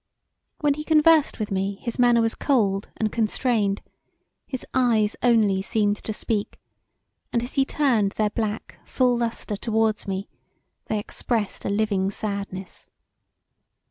When he conversed with me his manner was cold and constrained; his eyes only seemed to speak, and as he turned their black, full lustre towards me they expressed a living sadness.